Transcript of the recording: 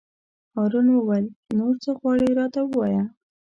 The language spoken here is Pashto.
هارون وویل: نور څه غواړې راته ووایه.